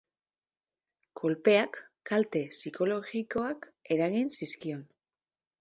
Kolpeak kalte psikologikoak eragin zizkion.